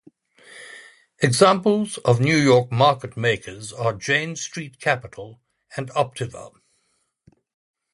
Examples of New York market makers are Jane Street Capital and Optiver.